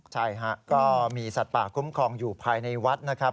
ใช่ฮะก็มีสัตว์ป่าคุ้มครองอยู่ภายในวัดนะครับ